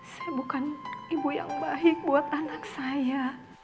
saya bukan ibu yang baik buat anak saya